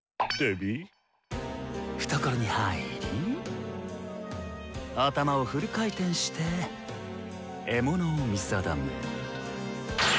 懐に入り頭をフル回転して獲物を見定め。